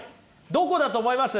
どこだと思います？